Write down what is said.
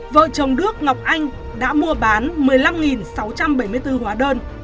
vợ chồng đức ngọc anh đã mua bán một mươi năm sáu trăm bảy mươi bốn hóa đơn